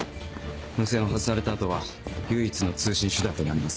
無線を外された後は唯一の通信手段となります。